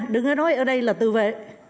đừng có nói ở đây là tự vệ